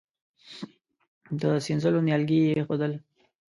د سينځلو نيالګي يې اېښودل.